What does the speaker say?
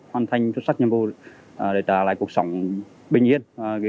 hoàn thành xuất sắc nhiệm vụ để trả lại cuộc sống bình yên